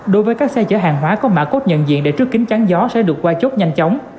đối với các xe chở hàng hóa có mã cốt nhận diện để trước kính trắng gió sẽ được qua chốt nhanh chóng